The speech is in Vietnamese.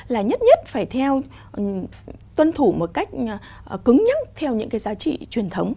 là nhất nhất phải theo tuân thủ một cách cứng nhất theo những cái giá trị truyền thống